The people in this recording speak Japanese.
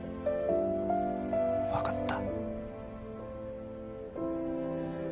分かった。